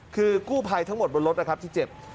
คือกู้ภัยทั้งหมดบนรถที่เจ็บ